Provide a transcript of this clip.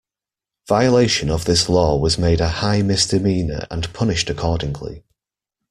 Violation of this law was made a high misdemeanor and punished accordingly.